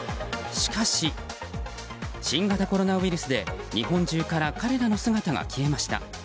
しかし、新型コロナウイルスで日本中から彼らの姿が消えました。